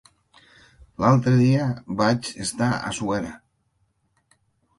L'altre dia vaig estar a Suera.